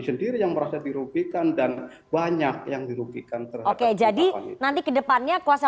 sendiri yang merasa dirugikan dan banyak yang dirugikan terhati hati nanti kedepannya kuasa